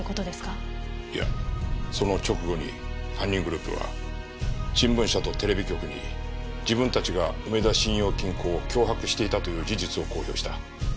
いやその直後に犯人グループは新聞社とテレビ局に自分たちが梅田信用金庫を脅迫していたという事実を公表した。